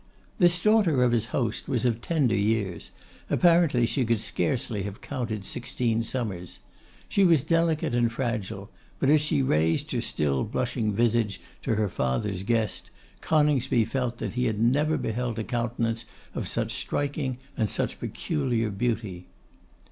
This daughter of his host was of tender years; apparently she could scarcely have counted sixteen summers. She was delicate and fragile, but as she raised her still blushing visage to her father's guest, Coningsby felt that he had never beheld a countenance of such striking and such peculiar beauty.